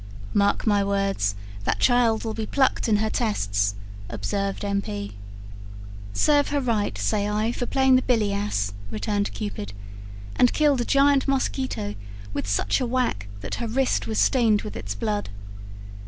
"Mark my words, that child'll be plucked in her 'tests'," observed M. P. "Serve her right, say I, for playing the billy ass," returned Cupid, and killed a giant mosquito with such a whack that her wrist was stained with its blood.